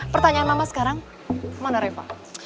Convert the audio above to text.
pertanyaan mama sekarang kemana reva